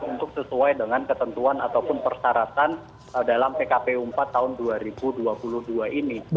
untuk sesuai dengan ketentuan ataupun persyaratan dalam pkpu empat tahun dua ribu dua puluh dua ini